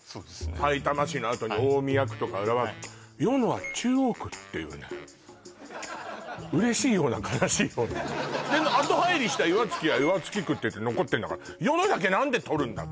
さいたま市のあとに大宮区とか浦和区与野は「中央区」っていうね嬉しいような悲しいようなであと入りした岩槻は岩槻区って残ってんだから与野だけ何でとるんだ？